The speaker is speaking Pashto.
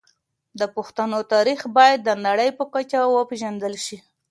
د پښتنو تاريخ بايد د نړۍ په کچه وپېژندل شي.